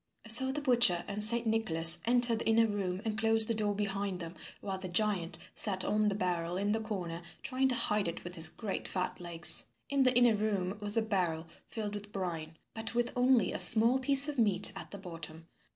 So the butcher and Saint Nicholas entered the inner room and closed the door behind them while the giant sat on the barrel in the corner, trying to hide it with his great fat legs. In the inner room was a barrel filled with brine, but with only a small piece of meat at the bottom.